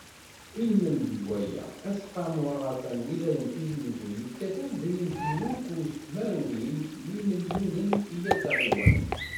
Ilmend n waya, Aseqqamu Aɣerfan n Lwilaya n Tizi Uzzu, yefka tadrimt n ukkuẓ tmerwin n yimelyunen i yal taɣiwant.